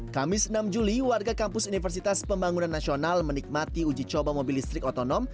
kamis enam juli warga kampus universitas pembangunan nasional menikmati uji coba mobil listrik otonom